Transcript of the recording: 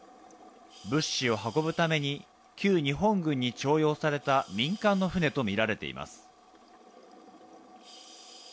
物資を運ぶために、旧日本軍に徴用された民間の船と見られています。